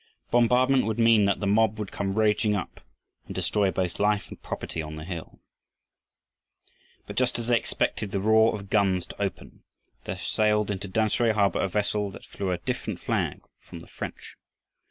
Bombardment would mean that the mob would come raging up and destroy both life and property on the hill. But just as they expected the roar of guns to open, there sailed into Tamsui harbor a vessel that flew a different flag from the French.